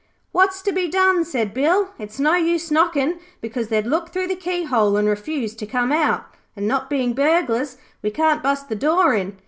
'What's to be done?' said Bill. 'It's no use knockin', because they'd look through the keyhole and refuse to come out, and, not bein' burglars, we can't bust the door in.